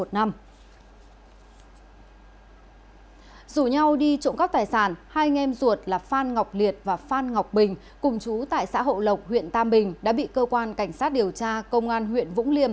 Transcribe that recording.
dù nhau đi trộm cắp tài sản hai anh em ruột là phan ngọc liệt và phan ngọc bình cùng chú tại xã hậu lộc huyện tam bình đã bị cơ quan cảnh sát điều tra công an huyện vũng liêm